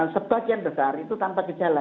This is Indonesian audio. sebagian besar itu tanpa gejala